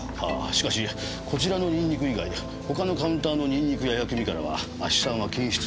しかしこちらのニンニク以外他のカウンターのニンニクや薬味からは亜ヒ酸は検出されませんでした。